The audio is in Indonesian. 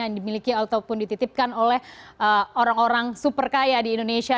yang dimiliki ataupun dititipkan oleh orang orang super kaya di indonesia